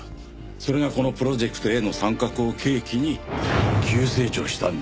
それがこのプロジェクトへの参画を契機に急成長したんだ。